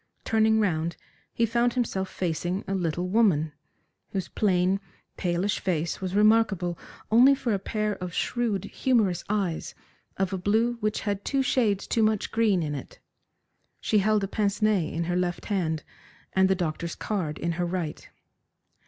Turning round, he found himself facing a little woman, whose plain, palish face was remarkable only for a pair of shrewd, humorous eyes of a blue which had two shades too much green in it. She held a pince nez in her left hand, and the doctor's card in her right.